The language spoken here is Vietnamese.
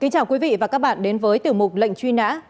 chào các bạn và các bạn đến với tử mục lệnh truy nã